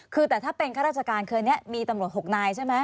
คือแต่ถ้าเป็นข้าราชการคืออันนี้มีตำรวจ๖นายใช่ไหม